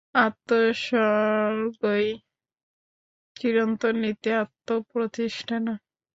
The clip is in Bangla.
আত্মোৎসর্গই চিরন্তন নীতি, আত্মপ্রতিষ্ঠা নয়।